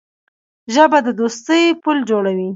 ژبه د دوستۍ پُل جوړوي